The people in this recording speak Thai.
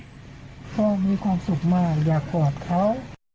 ก็มีความสุขมากอยากกอดเขา